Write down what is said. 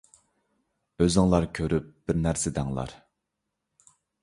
ئۆزۈڭلار كۆرۈپ بىر نەرسە دەڭلار.